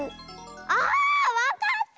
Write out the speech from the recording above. あわかった！